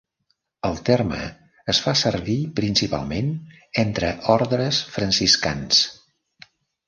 El terme es fa servir principalment entre ordres franciscans.